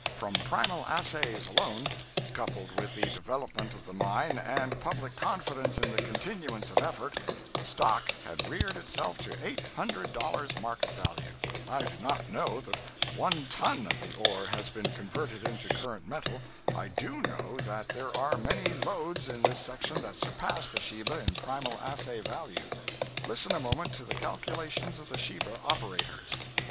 From primal assays alone, coupled with the development of the mine and public confidence in the continuance of effort, the stock had reared itself to eight hundred dollars market value. I do not know that one ton of the ore has been converted into current metal. I do know that there are many lodes in this section that surpass the Sheba in primal assay value. Listen a moment to the calculations of the Sheba operators.